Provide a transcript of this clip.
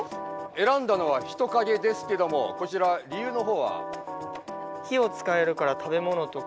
選んだのはヒトカゲですけどもこちら理由の方は？